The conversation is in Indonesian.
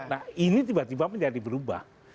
nah ini tiba tiba menjadi berubah